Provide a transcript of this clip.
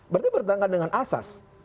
berarti bertanggung jawab dengan asas